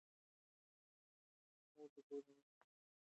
مور د کورني ژوند لپاره سمه پالن جوړوي.